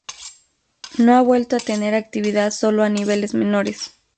No ha vuelto a tener actividad, solo a niveles menores.